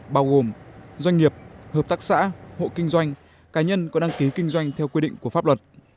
bao gồm doanh nghiệp hợp tác xã hộ kinh doanh cá nhân có đăng ký kinh doanh theo quy định của pháp luật